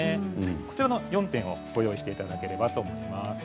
この４点をご用意していただければと思います。